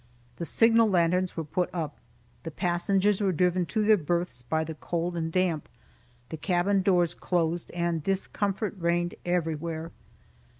The signal lanterns were put up, the passengers were driven to their berths by the cold and damp, the cabin doors closed, and discomfort reigned everywhere.